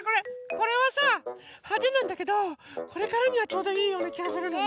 これはさはでなんだけどこれからにはちょうどいいようなきがするのね。